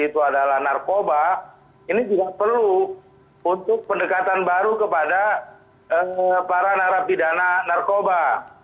itu adalah narkoba ini juga perlu untuk pendekatan baru kepada para narapidana narkoba